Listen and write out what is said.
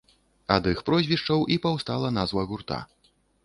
Ад іх прозвішчаў і паўстала назва гурта.